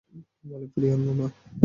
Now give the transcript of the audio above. কি বলে ফিরিয়ে আনব, মা!